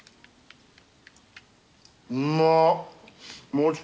うまっ。